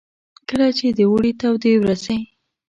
کله چې د اوړې تودې ورځې.